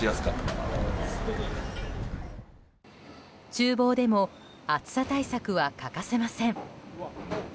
厨房でも暑さ対策は欠かせません。